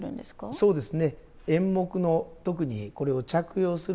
そうですね。